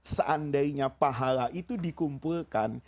seandainya pahala itu dikumpulkan